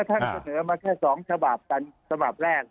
ถ้าท่านเสนอมาแค่๒ฉบาพตั้งสบิร์ฟแรก